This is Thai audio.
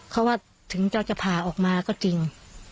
เขาว่าถึงเราจะผ่าออกมาก็จริง